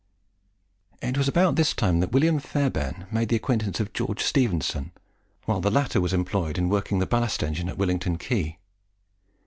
It was about this time that William Fairbairn made the acquaintance of George Stephenson, while the latter was employed in working the ballast engine at Willington Quay.